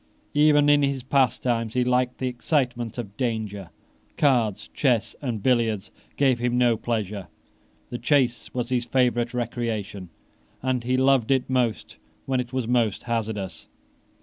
Even in his pastimes he liked the excitement of danger. Cards, chess, and billiards gave him no pleasure. The chase was his favourite recreation; and he loved it most when it was most hazardous.